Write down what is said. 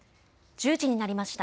１０時になりました。